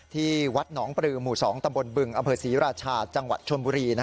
ที่วัดหนองปลือหมู่๒ตำบลบึงอำเภอศรีราชาจังหวัดชนบุรี